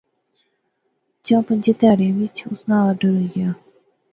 چاں پنجیں تہاڑیں وچ اسے ناں آرڈر ہوئی گیا